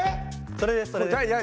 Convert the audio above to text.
それですそれです。